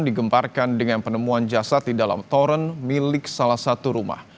digemparkan dengan penemuan jasad di dalam toren milik salah satu rumah